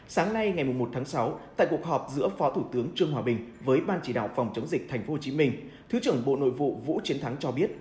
sáng nay ngày một tháng sáu tại cuộc họp giữa phó thủ tướng trương hòa bình với ban chỉ đạo phòng chống dịch tp hcm thứ trưởng bộ nội vụ vũ chiến thắng cho biết